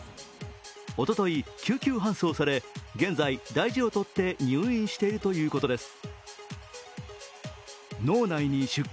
おととい救急搬送され現在大事をとって入院しているということです。